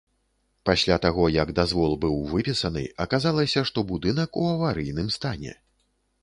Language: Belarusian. Пасля таго, як дазвол быў выпісаны, аказалася, што будынак ў аварыйным стане.